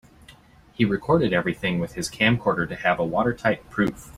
He recorded everything with his camcorder to have a watertight proof.